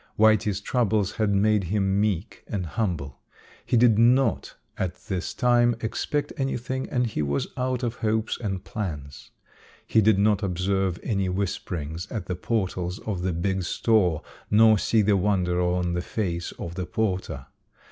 Whitey's troubles had made him meek and humble. He did not at this time expect anything and he was out of hopes and plans. He did not observe any whisperings at the portals of the big store nor see the wonder on the face of the porter.